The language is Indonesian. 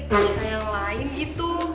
bisa yang lain gitu